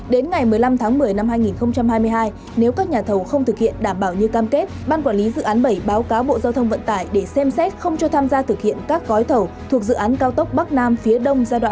đến ngày một mươi năm tháng một mươi năm hai nghìn hai mươi hai nếu các nhà thầu không thực hiện đảm bảo như cam kết ban quản lý dự án bảy báo cáo bộ giao thông vận tải để xem xét không cho tham gia thực hiện các gói thầu thuộc dự án cao tốc bắc nam phía đông giai đoạn hai nghìn hai mươi một hai nghìn hai